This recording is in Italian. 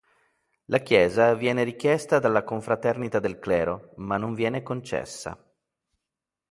La chiesa viene richiesta dalla confraternita del clero ma non viene concessa.